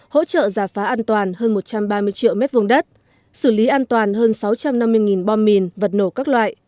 hỗ trợ giả phá an toàn hơn một trăm ba mươi triệu mét vùng đất xử lý an toàn hơn sáu trăm năm mươi bom mìn vật nổ các loại